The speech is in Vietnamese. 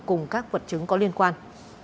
cùng các vật chứng có liên quan